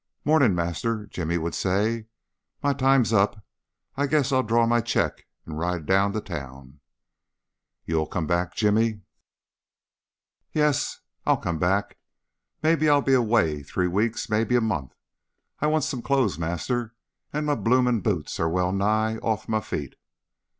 "Morning, master!" Jimmy would say. "My time's up. I guess I'll draw my cheque and ride down to town." "You'll come back, Jimmy?" "Yes, I'll come back. Maybe I'll be away three weeks, maybe a month. I want some clothes, master, and my bloomin' boots are well nigh off my feet."